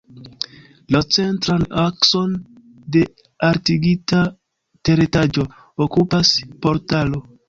La centran akson de altigita teretaĝo okupas portalo.